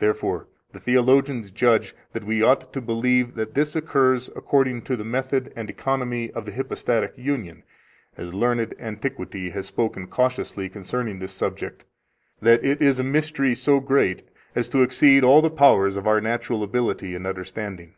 Therefore the theologians judge that we ought to believe that this occurs according to the method and economy of the hypostatic union, as learned antiquity has spoken cautiously concerning this subject, that it is a mystery so great as to exceed all the powers of our natural ability and understanding.